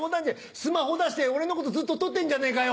スマホ出して俺のことずっと撮ってんじゃねえかよ。